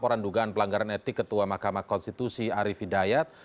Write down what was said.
laporan dugaan pelanggaran etik ketua mahkamah konstitusi arief hidayat